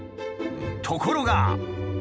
ところが。